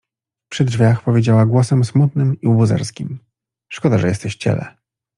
Przy drzwiach powiedziała głosem smutnym i łobuzer skim: — Szkoda, że jesteś cielę.